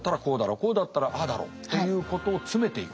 「こうだったらああだろ」ということを詰めていく。